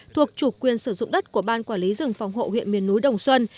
thuộc chủ quyền sử dụng đất của ban quản lý rừng phòng hộ huyện miền núi đồng xuân